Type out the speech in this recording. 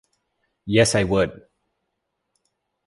Yes, I would.